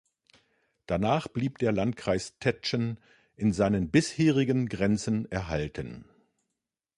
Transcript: Danach blieb der Landkreis Tetschen in seinen bisherigen Grenzen erhalten.